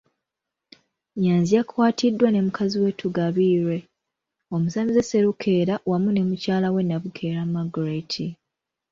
Nnyanzi yakwatiddwa ne muganzi we Tugabiirwe, omusamize Sserukeera wamu ne mukyala we Nabukeera Margaret.